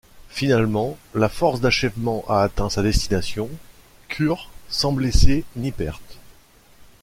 Finalement, la Force d'achèvement a atteint sa destination, Kure, sans blessés ni pertes.